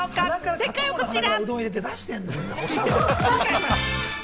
正解はこちら。